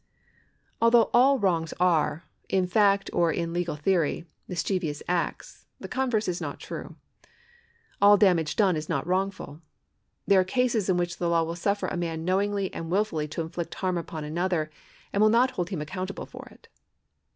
Although all wrongs are, in fact or in legal theory, mis chievous acts, the converse is not true. All damage done is not wrongful. There are cases in which the law will suffer a man knowingly and wilfully to inflict harm upon another, and will not hold him accountable for it.